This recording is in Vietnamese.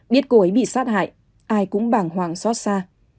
biết cô ấy bị sát hại ai cũng bàng hoàng xót xa